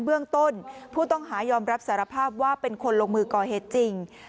เบื้องต้นผู้ต้องหายอมรับสารภาพว่าเป็นคนลงมือก่อเหตุจริง